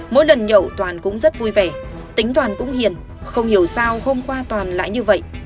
mỗi lần nhậu toàn cũng rất vui vẻ tính toàn cũng hiền không hiểu sao hôm qua toàn lại như vậy